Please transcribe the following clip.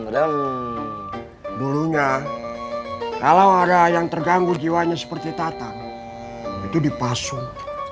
lem dulunya kalau ada yang terganggu jiwanya seperti tatang itu dipasung